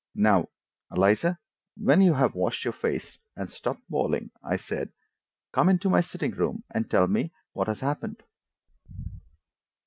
"Now, Eliza, when you have washed your face and stopped bawling," I said, "come into my sitting room and tell me what has happened."